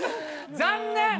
残念！